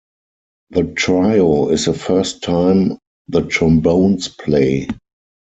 The trio is the first time the trombones play.